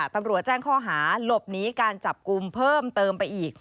ตำรวจแจ้งข้อหาหลบหนีการจับกลุ่มเพิ่มเติมไปอีก